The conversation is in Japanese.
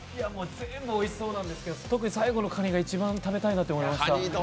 全部おいしそうなんですけど、特に最後のかにが一番食べたいなと思いました。